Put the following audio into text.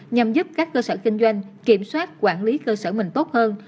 nhằm giúp các cơ sở kinh doanh kiểm soát quản lý cơ sở mình tốt hơn